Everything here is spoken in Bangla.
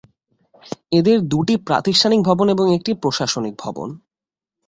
এদের দু'টি প্রাতিষ্ঠানিক ভবন এবং একটি প্রশাসনিক ভবন।